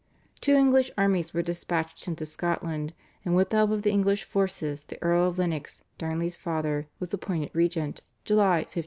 Two English armies were dispatched into Scotland, and with the help of the English forces the Earl of Lennox, Darnley's father, was appointed regent (July 1570).